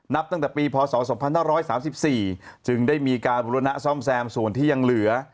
นับตั้งแต่ปีพศ๒๕๓๔จึงได้มีการบุรณะซ่อมแซมส่วนที่ยังเหลือ